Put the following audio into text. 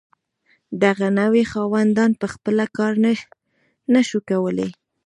دغه نوي خاوندان په خپله کار نشو کولی.